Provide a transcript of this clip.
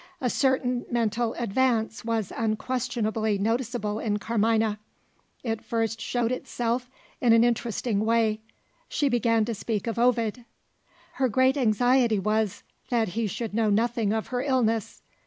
A certain mental advance was unquestionably noticeable in Carmina. It first showed itself in an interesting way: she began to speak of Ovid. Her great anxiety was, that he should know nothing of her illness.